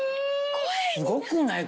すごくない？